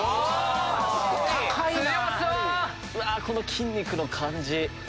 この筋肉の感じ。